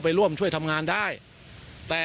ผมก็มีมารยาท